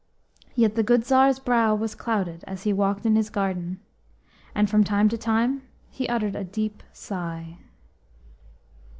Yet the good Tsar's brow was clouded as he walked in his garden, and from time to time he uttered a deep sigh.